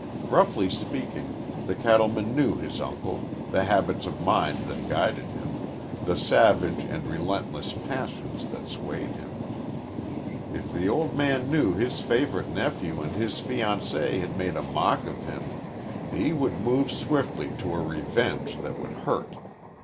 Roughly speaking, the cattleman knew his uncle, the habits of mind that guided him, the savage and relentless passions that swayed him. If the old man knew his favorite nephew and his fiancée had made a mock of him, he would move swiftly to a revenge that would hurt.